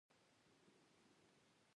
د افغانستان ژبي د تاریخ ښکارندوی دي.